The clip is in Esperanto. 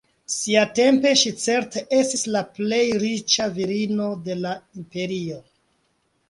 Siatempe ŝi certe estis la plej riĉa virino de la imperio.